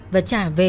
và trả về